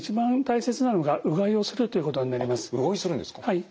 はい。